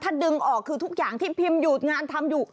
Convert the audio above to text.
ถ้าดึงออกคือทุกอย่างที่พิมพ์หยุดงานทำอยู่